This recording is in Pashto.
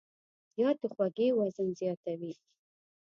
زیاتې خوږې وزن زیاتوي.